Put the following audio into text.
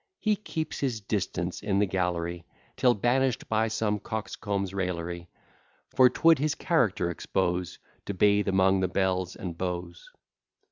He keeps his distance in the gallery, Till banish'd by some coxcomb's raillery; For 'twould his character expose, To bathe among the belles and beaux.